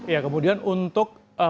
ya kemudian untuk materi lainnya